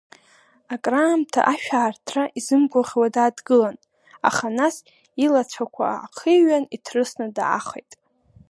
Акраамҭа ашә аартра изымгәаӷьуа дадгылан, аха нас илацәақәа аахиҩан ирҭрысны даахеит.